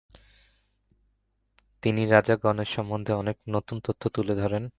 তিনি রাজা গণেশ সম্বন্ধে অনেক নতুন তথ্য তুলে ধরেন।